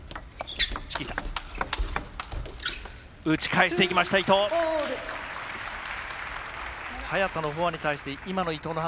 打ち返していきました、伊藤。